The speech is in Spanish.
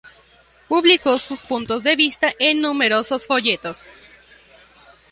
Publicó sus puntos de vista en numerosos folletos.